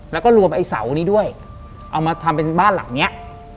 แล้วก็รวมไอ้เสานี้ด้วยเอามาทำเป็นบ้านหลังเนี้ย